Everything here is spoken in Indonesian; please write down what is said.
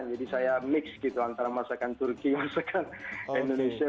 jadi saya mix gitu antara masakan turki masakan indonesia